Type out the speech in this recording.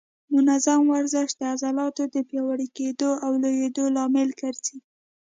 منظم ورزش د عضلاتو د پیاوړي کېدو او لویېدو لامل ګرځي.